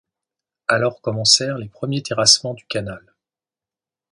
Alors commencèrent les premiers terrassements du canal.